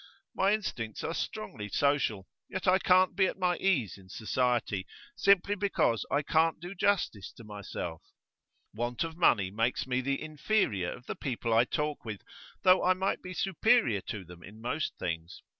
My instincts are strongly social, yet I can't be at my ease in society, simply because I can't do justice to myself. Want of money makes me the inferior of the people I talk with, though I might be superior to them in most things.